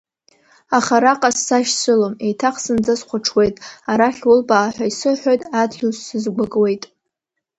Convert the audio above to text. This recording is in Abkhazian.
Аха араҟа сзашьцылом, еиҭах зынӡа схәаҽуеит, арахь улбаа ҳәа исыҳәоит, адгьыл сызгәыкуеит.